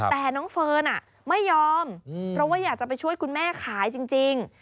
แต่น้องเฟิร์นไม่ยอมเพราะว่าอยากจะไปช่วยคุณแม่ขายจริง